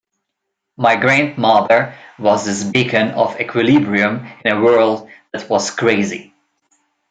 My grandmother was this beacon of equilibrium in a world that was crazy.